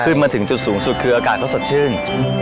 มาถึงจุดสูงสุดคืออากาศก็สดชื่น